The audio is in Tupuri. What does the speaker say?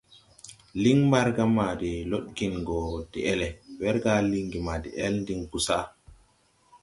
Liŋ Mbargā ma de lɔdgen gɔ deʼele, wɛrga lingi ma deʼel din bosaʼ.